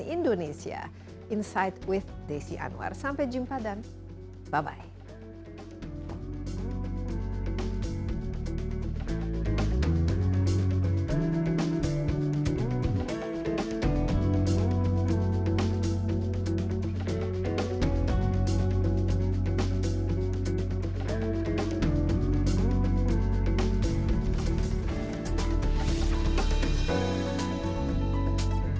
insight with desi anwar sampai jumpa dan bye bye